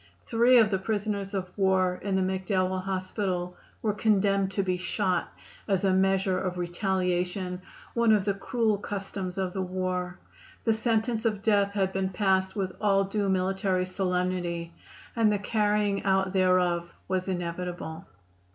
Three of the prisoners of war in the McDowell Hospital were condemned to be shot as a measure of "retaliation" one of the cruel customs of the war. The sentence of death had been passed with all due military solemnity, and the carrying out thereof was inevitable.